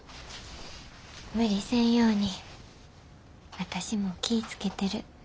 無理せんように私も気ぃ付けてる。